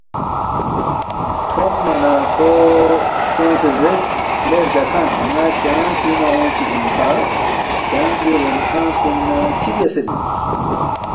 تھونگما نہ کھو سونگسے زیرس، ”لے رگاکھن ن٘ا کھیانگ فیُونگما اونگفی اِنپا، کھیانگ دی رونگ کھن پِنگ نہ چِہ بیاسے بیُونگس؟“